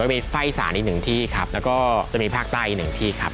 มีไฟสารอีกหนึ่งที่ครับแล้วก็จะมีภาคใต้อีกหนึ่งที่ครับ